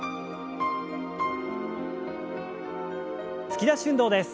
突き出し運動です。